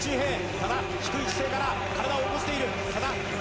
ただ、低い姿勢から体を起こしている。